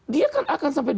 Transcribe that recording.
dia kan akan sampai